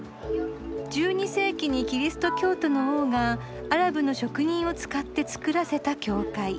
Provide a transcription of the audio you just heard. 「１２世紀にキリスト教徒の王がアラブの職人を使って造らせた教会。